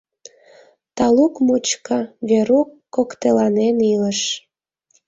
Талук мучко Верук коктеланен илыш.